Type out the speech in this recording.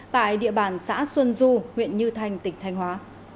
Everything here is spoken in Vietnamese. tại địa bàn xã xuân du huyện như thanh tỉnh thanh hóa